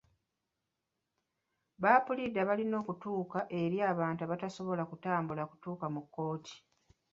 Ba puliida balina okutuuka eri abantu abatasobola kutambula kutuuka mu kkooti.